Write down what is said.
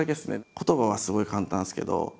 言葉はすごい簡単ですけど。